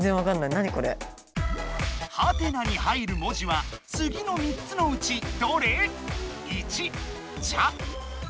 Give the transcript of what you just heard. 「？」に入る文字はつぎの３つのうちどれ？